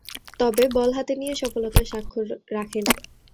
তবে, বল হাতে নিয়ে সফলতার স্বাক্ষর রাখেন।